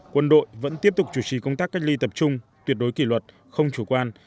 quân đội vẫn tiếp tục chủ trì công tác cách ly tập trung tuyệt đối kỷ luật không chủ quan